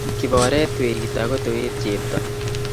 Kiboret werit ak ko towet chepto